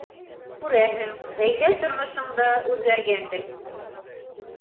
Күрәһең, ғаилә тормошоң да үҙгәргәндер инде?